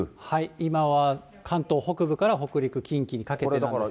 今は関東北部から北陸、近畿にかけてなんですが。